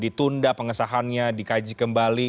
ditunda pengesahannya dikaji kembali